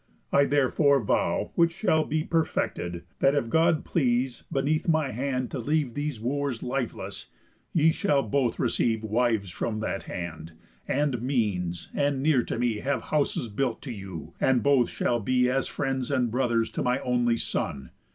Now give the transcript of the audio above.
I therefore vow, which shall be perfected, That if God please beneath my hand to leave These Wooers lifeless, ye shall both receive Wives from that hand, and means, and near to me Have houses built to you, and both shall be As friends and brothers to my only son.